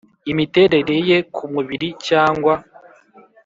Imiterere ye ku mubiri cyangwa